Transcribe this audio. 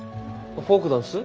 フォークダンス？